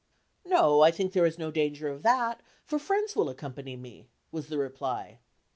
"No, I think there is no danger of that, for friends will accompany me," was the reply.